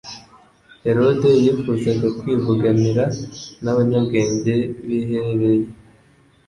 Herode yifuzaga kwivuganira n'abanyabwenge biherereye.